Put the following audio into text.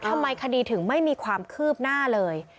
ทำไมคดีถึงไม่มีความคืบหน้าเลย